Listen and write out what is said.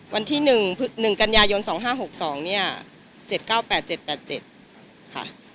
วันที่๑กันยายน๒๕๖๒เนี่ย๗๙๘๗๘๗ค่ะ